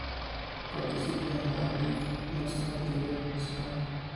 Participa en la A-League, máxima categoría profesional.